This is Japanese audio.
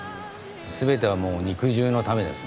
すべてはもう肉汁のためですね。